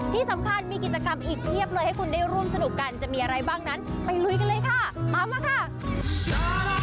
ที่สำคัญมีกิจกรรมอีกเพียบเลยให้คุณได้ร่วมสนุกกันจะมีอะไรบ้างนั้นไปลุยกันเลยค่ะตามมาค่ะ